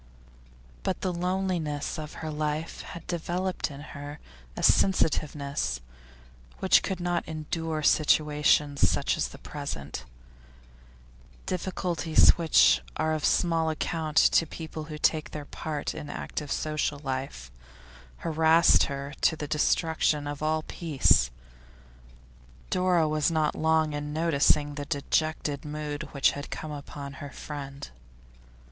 But the loneliness of her life had developed in her a sensitiveness which could not endure situations such as the present; difficulties which are of small account to people who take their part in active social life, harassed her to the destruction of all peace. Dora was not long in noticing the dejected mood which had come upon her friend.